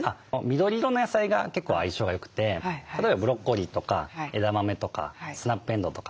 緑色の野菜が結構相性がよくて例えばブロッコリーとか枝豆とかスナップエンドウとか。